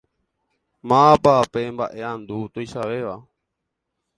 Mávapa pe mbaʼeʼandu tuichavéva?